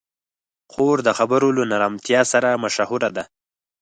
خور د خبرو له نرمتیا سره مشهوره ده.